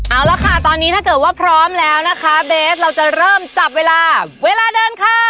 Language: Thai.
เอาละค่ะตอนนี้ถ้าเกิดว่าพร้อมแล้วนะคะเบสเราจะเริ่มจับเวลาเวลาเดินค่ะ